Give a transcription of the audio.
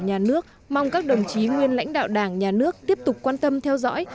nhé nước mong các đồng chí nguyên lãnh đạo đảng nhé nước tiếp tục quan tâm theo dõi